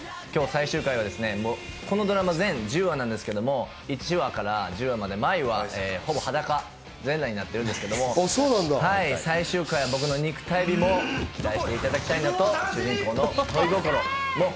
最終回はこのドラマ全１０話なんですけど、１話から１０話まで毎話、ほぼ全裸になってるんですけど、最終回、僕の肉体にもご覧いただきたいと思います。